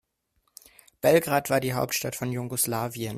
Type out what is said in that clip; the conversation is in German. Belgrad war die Hauptstadt von Jugoslawien.